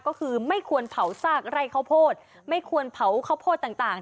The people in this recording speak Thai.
ก็คือไม่ควรเผาซากไร่ข้าวโพดไม่ควรเผาข้าวโพดต่าง